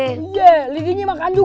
iya lidini makan juga